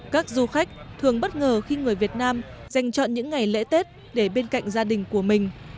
các du khách thường bất ngờ khi người việt nam dành chọn những ngày lễ tết để bên cạnh gia đình của mình